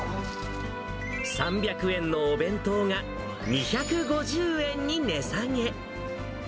３００円のお弁当が、２５０円に値下げ。